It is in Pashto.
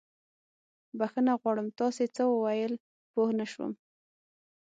بښنه غواړم، تاسې څه وويل؟ پوه نه شوم.